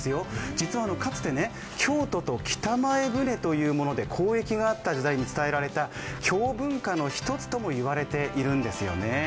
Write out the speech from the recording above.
実は、かつて京都と北前船というもので交易があった時代に伝えられた京文化の１つとも言われているんですよね。